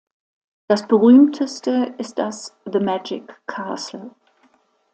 Das berühmteste ist das "The Magic Castle".